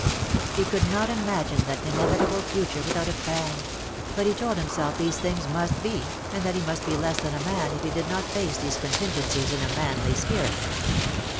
He could not imagine that inevitable future without a pang ; but he told himself these things must be, and that he must be less than a man if he did not face these con tingencies in a manly spirit.